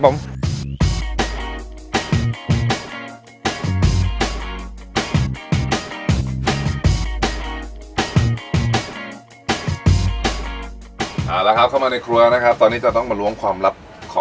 ตอนนี้มีอะไรบ้างครับ